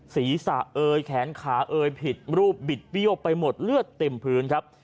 ศีรษะเอยแขนขาเอ่ยผิดรูปบิดเบี้ยวไปหมดเลือดเต็มพื้นครับ